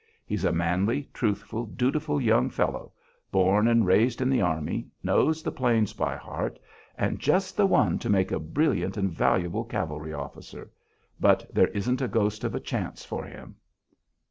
He's a manly, truthful, dutiful young fellow, born and raised in the army, knows the plains by heart, and just the one to make a brilliant and valuable cavalry officer, but there isn't a ghost of a chance for him."